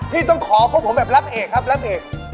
พี่ต้องขอผู้ผมแบบรับเอก